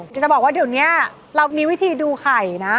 จะบอกว่าเดี๋ยวนี้เรามีวิธีดูไข่นะ